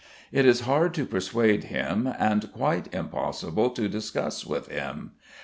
It is hard to persuade him and quite impossible to discuss with him.